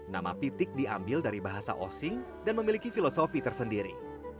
nama pitik diambil dari bahasa osing dan memiliki filosofi tersendiri